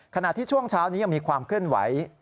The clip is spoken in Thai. ขณะที่ช่วงเช้านี้ยังมีความเคลื่อนไหว